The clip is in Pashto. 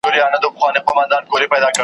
چي پخپله وو په دام کي کښېوتلی .